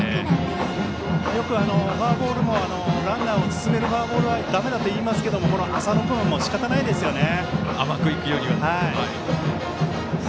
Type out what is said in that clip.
よくランナーを進めるフォアボールはだめだといいますけど浅野君はしかたないですよね。